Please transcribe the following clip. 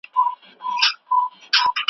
ما مي د مُغان د پیر وصیت پر زړه لیکلی دی